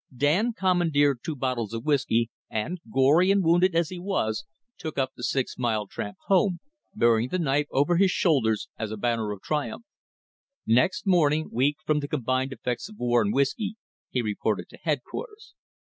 Dan commandeered two bottles of whisky, and, gory and wounded as he was, took up the six mile tramp home, bearing the knife over his shoulder as a banner of triumph. Next morning, weak from the combined effects of war and whisky, he reported to headquarters.